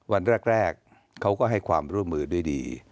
วันแรกเขาก็ให้ความร่วมมือด้วยดี